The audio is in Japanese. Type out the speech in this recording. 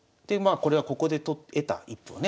これはここで得た１歩をね